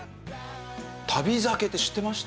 旅酒って知ってました？